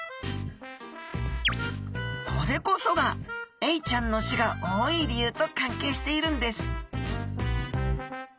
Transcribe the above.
これこそがエイちゃんの種が多い理由と関係しているんです！